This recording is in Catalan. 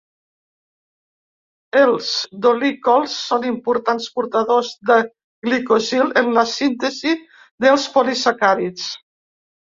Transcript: Els dolicols són importants portadors de glicosil en la síntesi dels polisacàrids.